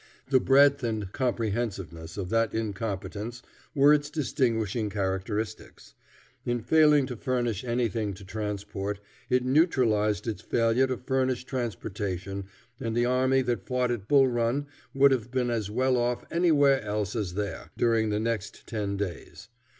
The breadth and comprehensiveness of that incompetence were its distinguishing characteristics. In failing to furnish anything to transport, it neutralized its failure to furnish transportation, and the army that fought at Bull Run would have been as well off anywhere else as there, during the next ten days.